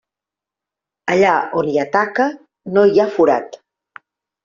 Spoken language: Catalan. Allà on hi ha taca no hi ha forat.